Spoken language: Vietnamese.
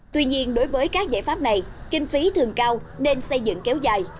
tuy nhiên đối với các giải pháp này kinh phí thường cao nên xây dựng kéo dài